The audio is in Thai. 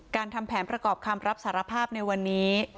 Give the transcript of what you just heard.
ทำแผนประกอบคำรับสารภาพในวันนี้